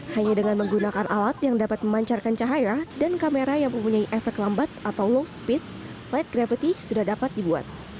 hanya dengan menggunakan alat yang dapat memancarkan cahaya dan kamera yang mempunyai efek lambat atau low speed light gravity sudah dapat dibuat